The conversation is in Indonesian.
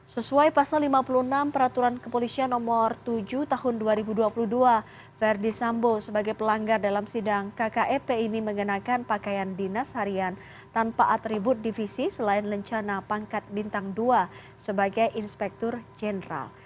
sesuai pasal lima puluh enam peraturan kepolisian nomor tujuh tahun dua ribu dua puluh dua verdi sambo sebagai pelanggar dalam sidang kkep ini mengenakan pakaian dinas harian tanpa atribut divisi selain lencana pangkat bintang dua sebagai inspektur jenderal